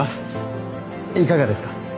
いかがですか？